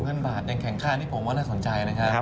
เงินบาทยังแข่งค่านี่ผมว่าน่าสนใจนะครับ